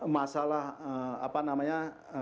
masalah apa namanya